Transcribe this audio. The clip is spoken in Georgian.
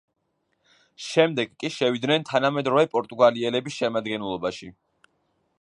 შემდეგ კი შევიდნენ თანამედროვე პორტუგალიელების შემადგენლობაში.